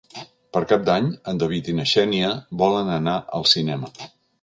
Per Cap d'Any en David i na Xènia volen anar al cinema.